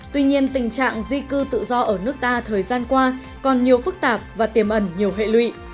tuy nhiên tình trạng di cư tự do ở nước ta thời gian qua còn nhiều phức tạp và tiềm ẩn nhiều hệ lụy